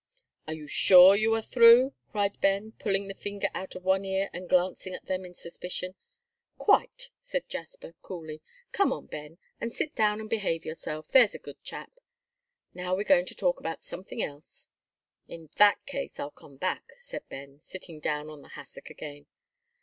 "Are you sure you are through?" cried Ben, pulling the finger out of one ear, and glancing at them in suspicion. "Quite," said Jasper, coolly. "Come on, Ben, and sit down and behave yourself, there's a good chap. Now we're going to talk about something else." "In that case, I'll come back," said Ben, sitting down on the hassock again.